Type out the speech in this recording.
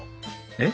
えっ？